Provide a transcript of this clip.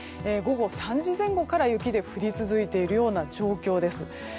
午後３時前後から雪が降り続いているような状況です。